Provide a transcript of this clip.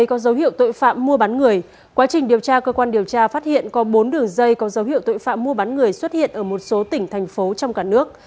cơ quan điều tra phát hiện có bốn đường dây có dấu hiệu tội phạm mua bán người xuất hiện ở một số tỉnh thành phố trong cả nước